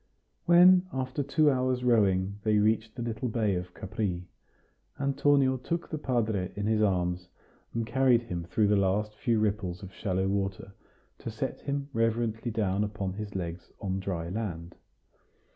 When, after two hours' rowing, they reached the little bay of Capri, Antonio took the padre in his arms, and carried him through the last few ripples of shallow water, to set him reverently down upon his legs on dry land.